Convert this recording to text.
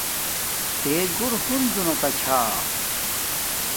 تے گھور ہنزو نا تا چھا